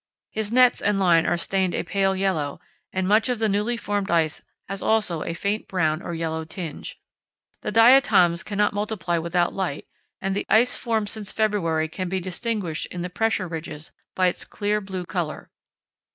His nets and line are stained a pale yellow, and much of the newly formed ice has also a faint brown or yellow tinge. The diatoms cannot multiply without light, and the ice formed since February can be distinguished in the pressure ridges by its clear blue colour.